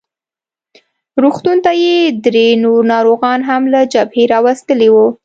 روغتون ته یې درې نور ناروغان هم له جبهې راوستلي وو.